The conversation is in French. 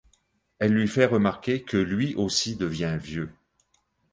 Elle lui fait remarquer que lui aussi devient vieux.